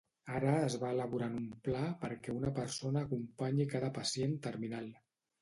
Ara es va elaborant un pla perquè una persona acompanyi cada pacient terminal.